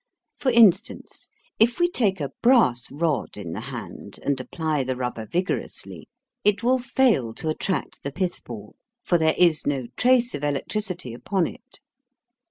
For instance, if we take a brass rod in the hand and apply the rubber vigorously, it will fail to attract the pithball, for there is no trace of electricity upon it.